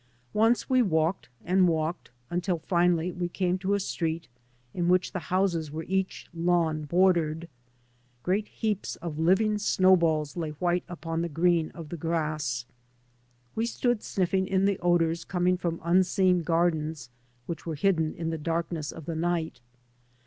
Once we walked and walked until finally we came to a street in which the houses were each lawn bordered. Great heaps of living snow balls lay white upon the green of the grass. We stood sniffing in the odours coming from unseen gardens which were hidden in the darkness of the night.